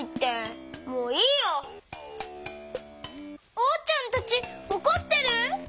おうちゃんたちおこってる？